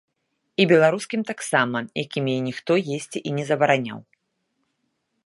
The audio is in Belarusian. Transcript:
І беларускім таксама, якім яе ніхто есці і не забараняў.